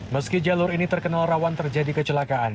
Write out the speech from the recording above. meski jalur ini terkenal rawan terjadi kecelakaan